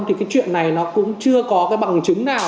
thì cái chuyện này nó cũng chưa có cái bằng chứng nào